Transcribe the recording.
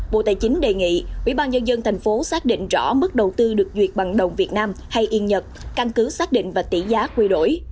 bộ tài chính đề nghị ubnd tp xác định rõ mức đầu tư được duyệt bằng đồng việt nam hay yên nhật căn cứ xác định và tỷ giá quy đổi